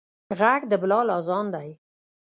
غږ د بلال اذان دی